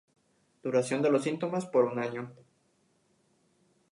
Duración de los síntomas por un año.